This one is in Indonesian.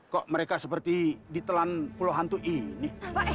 kok mereka seperti ditelan pulau hantu i ini